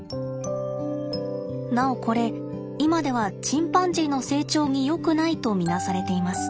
なおこれ今ではチンパンジーの成長によくないと見なされています。